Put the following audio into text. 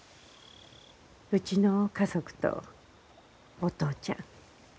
うちの家族とお父ちゃん。